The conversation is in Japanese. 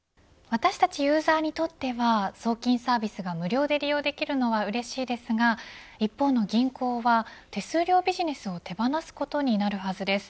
私たちユーザーにとっては送金サービスが無料で利用できるのはうれしいですが一方の銀行は手数料ビジネスを手放すことになるはずです。